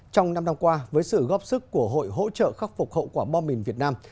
trong năm năm qua với sự góp sức của hội hỗ trợ khắc phục hậu quả bom mìn việt nam